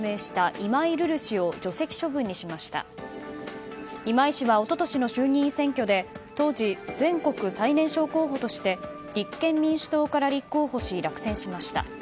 今井氏は一昨年の衆議院選挙で当時、全国最年少候補として立憲民主党から立候補し落選しました。